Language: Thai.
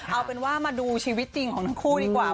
เอาเป็นว่ามาดูชีวิตจริงของทั้งคู่ดีกว่า